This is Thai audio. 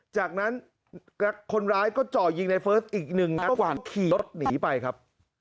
จากนั้นคนร้ายก็จ่อยิงในเฟิร์สอีกหนึ่งนัดก่อนขี่รถหนีไปครับ